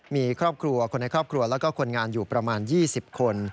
มีครอบครัวคนในครอบครัวแล้วก็คนงานอยู่ประมาณ๒๐คน